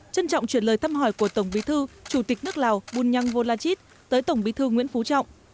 trân trọng chuyển lời thăm hỏi của tổng bí thư chủ tịch nước lào bunyang volachit tới tổng bí thư nguyễn phú trọng